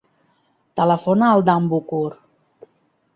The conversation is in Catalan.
Telefona al Dan Bucur.